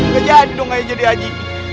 gak jadi dong kayak jadi haji